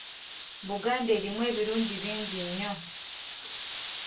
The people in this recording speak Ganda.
Buganda erimu ebirungi bingi nnyo.